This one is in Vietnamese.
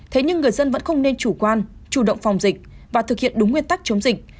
thế nhưng người dân vẫn không nên chủ quan chủ động phòng dịch và thực hiện đúng nguyên tắc chống dịch